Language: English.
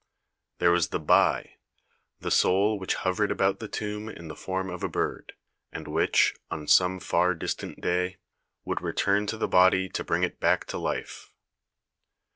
There was the bat, the soul which hovered about the tomb in the form of a bird, and which, on some far distant day, would return to the body to bring it back to life.